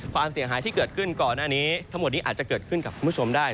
ความเสียหายที่เกิดขึ้นก่อนหน้านี้ทั้งหมดนี้อาจจะเกิดขึ้นกับคุณผู้ชมได้